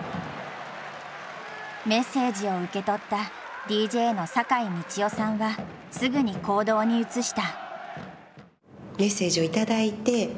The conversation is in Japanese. メッセージを受け取ったＤＪの酒井道代さんはすぐに行動に移した。